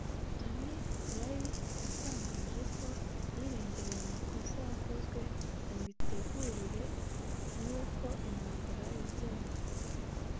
Tony Blair yatangaje ko yirengereye “amakosa yakozwe mu mitegurire n’uko intambara yagenze